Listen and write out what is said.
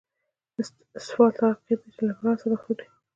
اسفالټ هغه قیر دی چې له منرال سره مخلوط وي